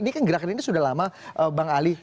ini kan gerakan ini sudah lama bang ali